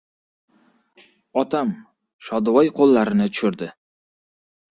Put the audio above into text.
— Otam...— Shodivoy qo‘llarini tushirdi.